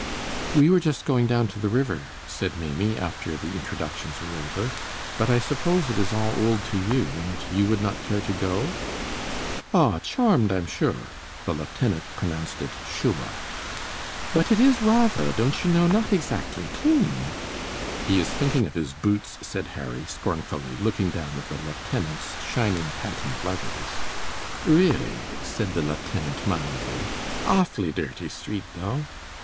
"We were just going down to the river," said Maimie, after the introductions were over, "but I suppose it is all old to you, and you would not care to go?" "Aw, charmed, I'm sure." (The lieutenant pronounced it "shuah.") "But it is rathaw, don't you know, not exactly clean." "He is thinking of his boots," said Harry, scornfully, looking down at the lieutenant's shining patent leathers. "Really," said the lieutenant, mildly, "awfully dirty street, though."